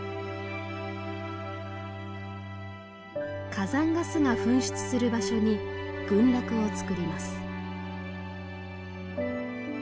火山ガスが噴出する場所に群落をつくります。